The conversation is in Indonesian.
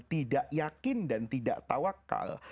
tidak yakin dan tidak tawakal